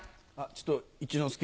ちょっと一之輔。